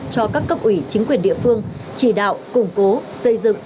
cho các cấp ủy chính quyền địa phương chỉ đạo củng cố xây dựng